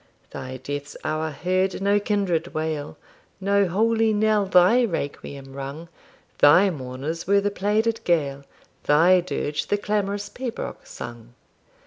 Thy death's hour heard no kindred wail, No holy knell thy requiem rung; Thy mourners were the plaided Gael, Thy dirge the clamourous pibroch sung.